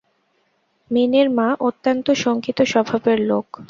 মিনির মা অত্যন্ত শঙ্কিত স্বভাবের লোক।